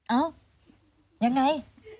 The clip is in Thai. เอ้ายังไง